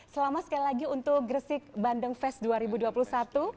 selamat sekali lagi untuk gresik bandeng fest dua ribu dua puluh satu